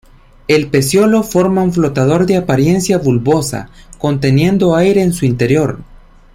El pecíolo forma un flotador de apariencia bulbosa, conteniendo aire en su interior.